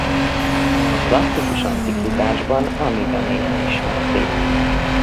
A klasszikus antikvitásban Amida néven ismerték.